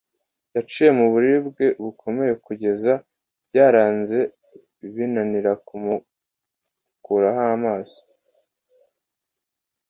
yaciye mu buribwe bukomeye kugenda byaranze binanira kumukuraho amaso